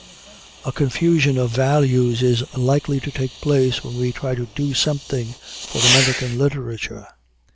A confusion of values is likely to take place when we try to "do something" for American Literature.